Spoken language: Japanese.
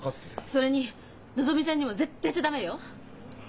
それにのぞみちゃんにも絶対言っちゃ駄目よ。